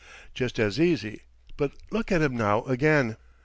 Just as easy but look at 'em now again!"